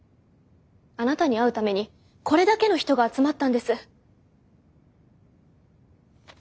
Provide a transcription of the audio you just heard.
あなたに会うためにこれだけの人が集まったんです。